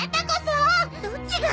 どっちが。